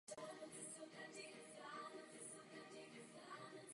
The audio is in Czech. O čtyři roky později v Soulu vybojoval v této disciplíně olympijskou bronzovou medaili.